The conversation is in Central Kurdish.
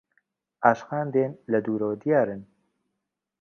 عاشقان دێن لە دوورەوە دیارن